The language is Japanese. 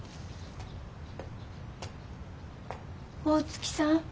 大月さん？